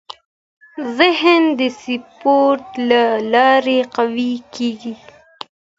ذهن د سپورت له لارې قوي کېږي.